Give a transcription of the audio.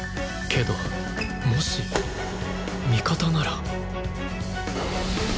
けどもし味方なら